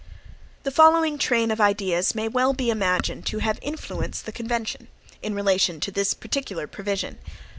The following train of ideas may well be imagined to have influenced the convention, in relation to this particular provision.